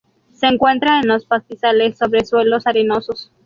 Se encuentra en los pastizales sobre suelos arenosos.